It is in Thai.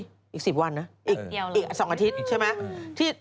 อีก๑๐วันนะอีก๒อาทิตย์ใช่ไหม